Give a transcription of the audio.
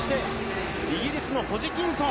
イギリスのホジキンソン。